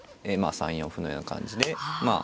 ３四歩のような感じでまあ。